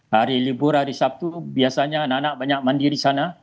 hari libur hari sabtu biasanya anak anak banyak mandiri sana